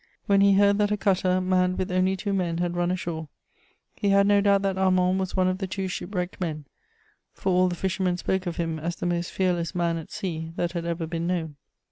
When he heard that a cutter manned with only two men had run ashore, he had no doubt that Armand was one of the two shipwrecked men, for all the fishermen spoke of him as the most fearless man at sea that had ever been known.